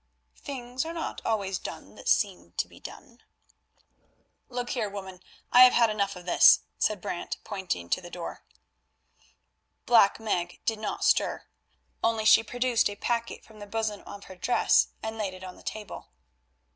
"Things are not always done that seem to be done." "Look here, woman, I have had enough of this," and Brant pointed to the door. Black Meg did not stir, only she produced a packet from the bosom of her dress and laid it on the table.